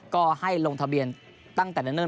ก็ให้ลงทะเบียนตั้งแต่เนิ่น